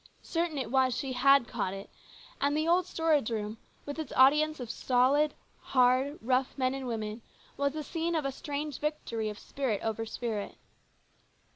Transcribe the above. Certain it was she had caught it, and the old storage room, with its audience of stolid, hardened, rough men and women, was the scene of a strange victory of spirit over spirit.